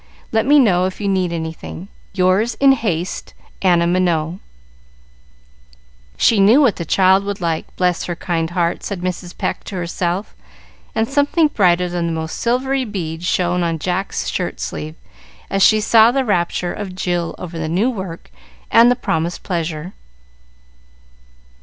Let me know if you need anything. "Yours in haste, "Anna Minot" "She knew what the child would like, bless her kind heart," said Mrs. Pecq to herself, and something brighter than the most silvery bead shone on Jack's shirt sleeve, as she saw the rapture of Jill over the new work and the promised pleasure.